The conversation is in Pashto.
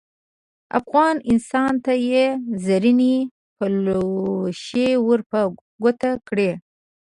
افغان انسان ته یې زرینې پلوشې ور په ګوته کړې.